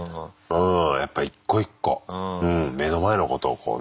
やっぱ一個一個目の前のことをこうね。